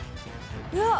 うわっ。